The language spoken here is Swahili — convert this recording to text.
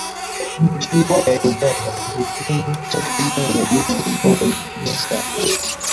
Nchi ya Uganda ilituma takribani wanajeshi elfu moja mia saba